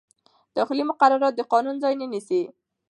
داخلي مقررات د قانون ځای نه نیسي.